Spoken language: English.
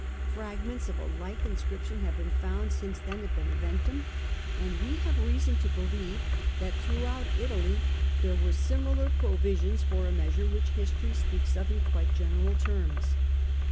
Fragments of a like inscription have been found since then at Beneventum, and we have reason to believe that throughout Italy there were similar provisions for a measure which history speaks of in quite general terms.